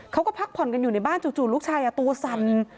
พักผ่อนกันอยู่ในบ้านจู่ลูกชายตัวสั่น